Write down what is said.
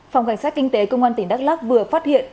phòng cảnh sát kinh tế công an tỉnh đắk lắc vừa phát hiện